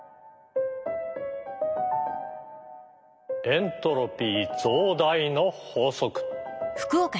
エントロピー増大の法則。